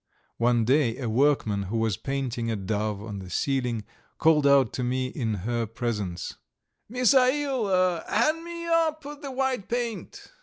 One day a workman, who was painting a dove on the ceiling, called out to me in her presence: "Misail, hand me up the white paint."